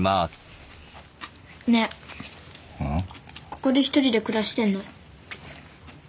ここで一人で暮らしてんの？